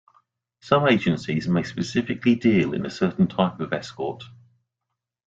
Some agencies may specifically deal in a certain type of escort.